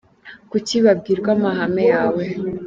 Kuko babwirwa amahame yawe